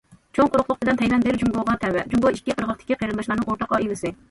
چوڭ قۇرۇقلۇق بىلەن تەيۋەن بىر جۇڭگوغا تەۋە، جۇڭگو ئىككى قىرغاقتىكى قېرىنداشلارنىڭ ئورتاق ئائىلىسى.